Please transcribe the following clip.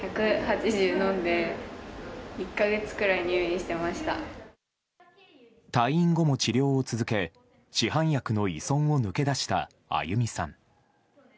１８０飲んで、退院後も治療を続け、市販薬の依存を抜け出したあゆみさん。